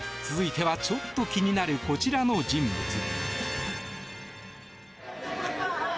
続いてはちょっと気になるこちらの人物。